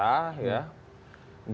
dan pada waktu itu